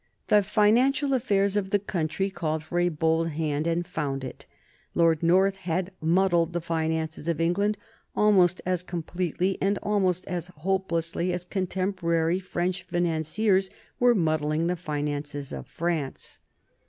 The financial affairs of the country called for a bold hand and found it. Lord North had muddled the finances of England almost as completely and almost as hopelessly as contemporary French financiers were muddling the finances of France.